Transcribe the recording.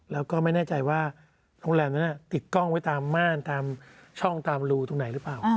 แล้วก็ไม่แน่ใจว่าโรงแรมนั้นติดกล้องไว้ตามม่านตามช่องตามรูตรงไหนหรือเปล่า